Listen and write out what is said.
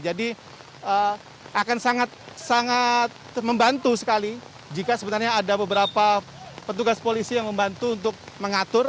jadi akan sangat sangat membantu sekali jika sebenarnya ada beberapa petugas polisi yang membantu untuk mengatur